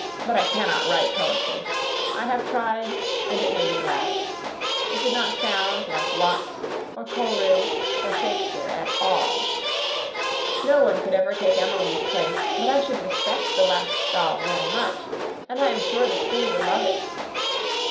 But I cannot write poetry. I have tried, and it made me laugh. It did not sound like Watts or Coleridge or Shakespeare at all. No one could ever take Emily's place, but I should respect the Last Doll very much; and I am sure the school would love it.